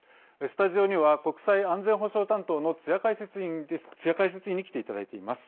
スタジオには国際・安全保障担当の津屋解説委員に来ていただいています。